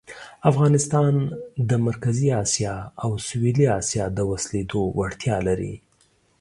افغانستان د مرکزي آسیا او سویلي آسیا د وصلولو وړتیا لري.